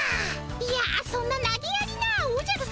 いやそんななげやりなおじゃるさま。